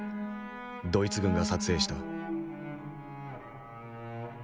ドイツ軍が撮影した。